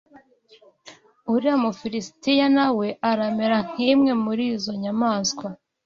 Uriya Mufilisitiya na we aramera nk’imwe muri izo nyamaswa.